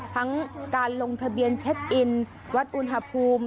ทั้งการลงทะเบียนเช็คอินวัดอุณหภูมิ